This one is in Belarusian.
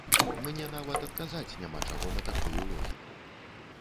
Мне нават адказаць няма чаго на такую логіку.